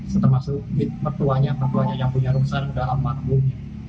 serta masuk mit mertuanya mertuanya yang punya rumah dalam makmumnya